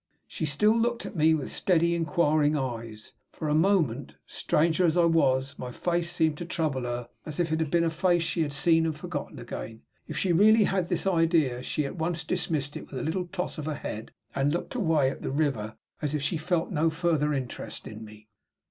She still looked at me with steady, inquiring eyes. For a moment, stranger as I was, my face seemed to trouble her as if it had been a face that she had seen and forgotten again. If she really had this idea, she at once dismissed it with a little toss of her head, and looked away at the river as if she felt no further interest in me.